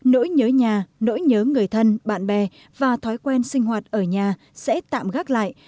nỗi nhớ nhà nỗi nhớ người thân bạn bè và thói quen sinh hoạt ở nhà sẽ tạm gác lại